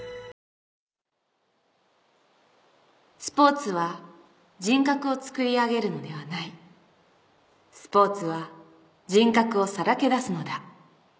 「スポーツは人格をつくり上げるのではない」「スポーツは人格をさらけ出すのだ」